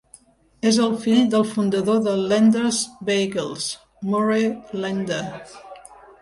És el fill del fundador de Lender's Bagels, Murray Lender.